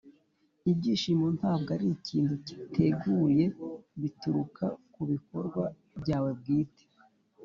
“ibyishimo ntabwo ari ikintu cyiteguye, bituruka ku bikorwa byawe bwite. ”